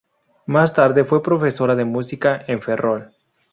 Más tarde fue profesora de música en Ferrol.